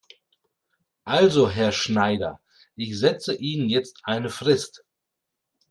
Also Herr Schneider, ich setze Ihnen jetzt eine Frist.